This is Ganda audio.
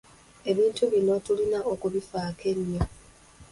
Ebintu bino tulina okubifaako ennyo.